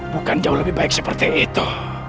bukan jauh lebih baik seperti itu